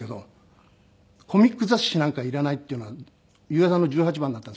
『コミック雑誌なんか要らない』っていうのは裕也さんの十八番だったんですけど。